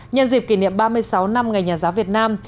nhân dịp kỷ niệm ba mươi sáu năm ngày nhà giáo việt nam